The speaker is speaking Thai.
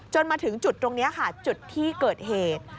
มาถึงจุดตรงนี้ค่ะจุดที่เกิดเหตุ